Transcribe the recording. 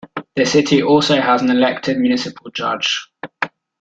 The city also has an elected municipal judge.